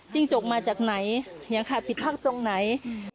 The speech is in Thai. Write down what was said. จิ้งจกมาจากไหนอย่างค่ะผิดพลาดตรงไหน